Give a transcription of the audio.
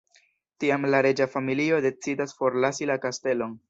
Tiam la reĝa familio decidas forlasi la kastelon...